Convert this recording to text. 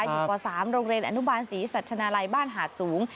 อยู่ป๓โรงเรียนอนุบาลศรีสัชนาลัยบ้านหาดสูง